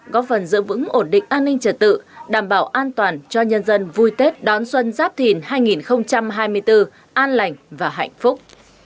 góp phần giữ vững ổn định an ninh trật tự đảm bảo an toàn cho nhân dân vui tết đón xuân giáp thìn hai nghìn hai mươi bốn an lành và hạnh phúc